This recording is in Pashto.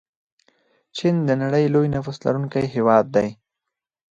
چین د نړۍ لوی نفوس لرونکی هیواد دی.